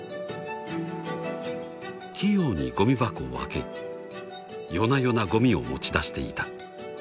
［器用にごみ箱を開け夜な夜なごみを持ち出していた］